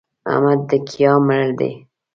احمد د کيها مړ دی!